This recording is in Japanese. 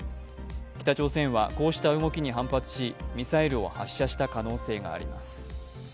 北朝鮮はこうした動きに反発しミサイルを発射した可能性があります。